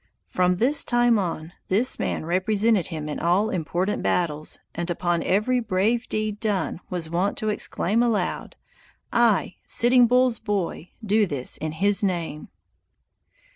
From this time on, this man represented him in all important battles, and upon every brave deed done was wont to exclaim aloud: "I, Sitting Bull's boy, do this in his name!"